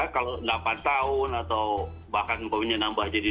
kalau delapan tahun atau bahkan nambah jadi dua belas